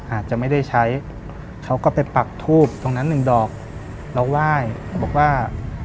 อาจจะไม่ได้ใช้เขาก็ไปปักทูบตรงนั้นหนึ่งดอกเราไหว้เขาบอกว่า